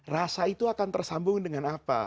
rasa itu akan tersambung dengan apa